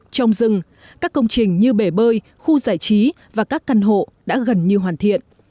trồng rừng các công trình như bể bơi khu giải trí và các căn hộ đã gần như hoàn thiện